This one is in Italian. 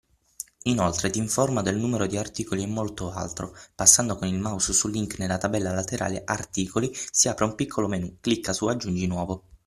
Inoltre ti informa del numero di articoli e molto altro! Passando con il mouse sul link nella barra laterale Articoli si apre un piccolo menù, clicca su Aggiungi nuovo.